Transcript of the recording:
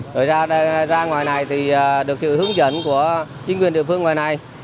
rồi ra ngoài này thì được sự hướng dẫn của chính quyền địa phương ngoài này